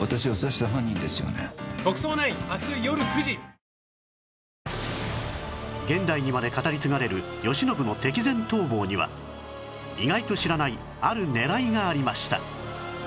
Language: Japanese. ワイドも薄型現代にまで語り告がれる慶喜の敵前逃亡には意外と知らないある狙いがありました